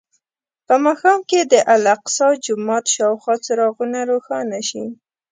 په ماښام کې د الاقصی جومات شاوخوا څراغونه روښانه شي.